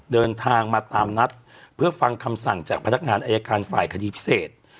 เดินทางมาตามนัดเพื่อฟังคำสั่งจากพนักงานอายการฝ่ายคดีพิเศษ